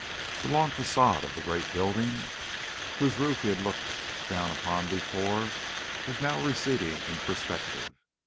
The long façade of the great building, whose roof he had looked down upon before, was now receding in perspective.